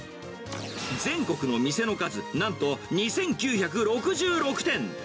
全国の店の数、なんと２９６６店。